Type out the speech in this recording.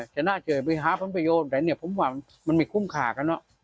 จะน่าเจอไปหาพร้อมประโยชน์แต่ผมว่ามันมีคุ้มขาก